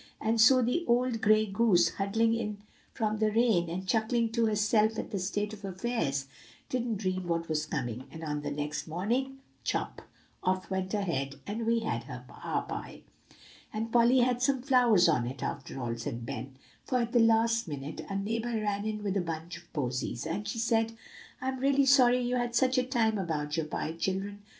"And so the old gray goose, huddling in from the rain, and chuckling to herself at the state of affairs, didn't dream what was coming; and on the next morning, chop off went her head and we had our pie." "And Polly had some flowers on it, after all," said Ben; "for, at the last minute, a neighbor ran in with a bunch of posies; and she said: 'I'm real sorry you had such a time about your pie, children.